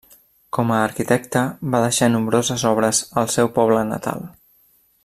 Com a arquitecte va deixar nombroses obres al seu poble natal.